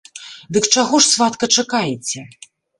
Дык чаго ж, сватка, чакаеце?